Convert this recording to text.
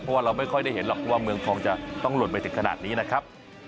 เพราะว่าเราไม่ค่อยได้เห็นหรอกว่าเมืองทองจะต้องหล่นไปถึงขนาดนี้นะครับ